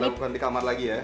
bukan di kamar lagi ya